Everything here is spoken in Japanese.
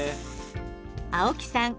青木さん